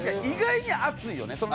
意外に熱いよね。